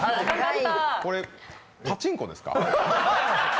これ、パチンコですか？